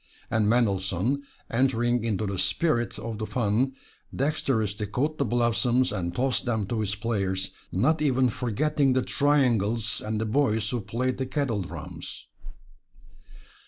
And Mendelssohn, entering into the spirit of the fun, dexterously caught the blossoms and tossed them to his players, not even forgetting the triangles and the boys who played the kettledrums.